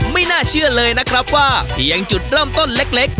ไม่น่าเชื่อเลยนะครับว่าเพียงจุดเริ่มต้นเล็ก